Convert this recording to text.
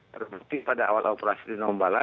terbukti pada awal operasi di ngombala